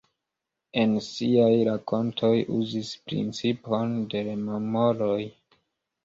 En siaj rakontoj uzis principon de rememoroj.